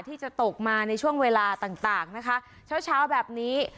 ที่จะตกมาในช่วงเวลาต่างนะคะเช้าแบบนี้